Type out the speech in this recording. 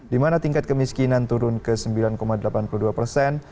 di mana tingkat kemiskinan turun ke sembilan delapan puluh dua persen